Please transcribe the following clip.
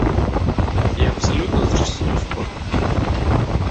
Я абсалютна за чысціню спорту.